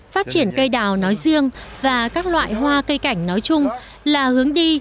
phát triển cây đào nói riêng và các loại hoa cây cảnh nói chung là hướng đi